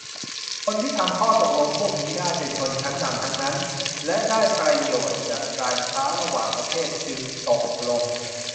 คนที่ทำข้อตกลงพวกนี้ได้ เป็นชนชั้นนำทั้งนั้น และได้ประโยชน์จากการค้าระหว่างประเทศ จึงตกลง